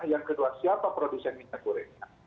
yang kedua siapa produsen minyak gorengnya